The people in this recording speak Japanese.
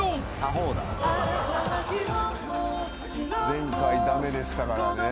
前回駄目でしたからね。